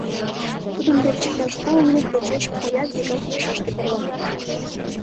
Тудын деч иктаж коло минут почеш Фаят вигак пашашке тарванен.